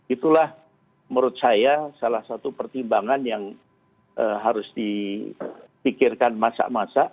itulah menurut saya salah satu pertimbangan yang harus dipikirkan masa masa